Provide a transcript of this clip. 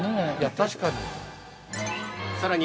◆確かに。